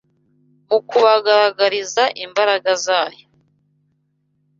mu kubagaragariza imbaraga zayo